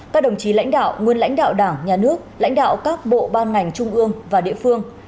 các đồng chí lãnh đạo nguyên lãnh đạo đảng nhà nước lãnh đạo các bộ ban ngành trung ương và địa phương